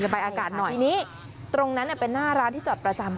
ทีนี้ตรงนั้นเป็นหน้าร้านที่จอดประจำ